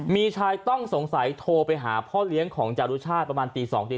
มีชายต้องสงสัยโทรไปหาพ่อเลี้ยงของจารุชาติประมาณตี๒ที